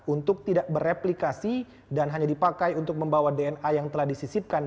untuk tidak bereplikasi dan hanya dipakai untuk membawa dna yang telah disisipkan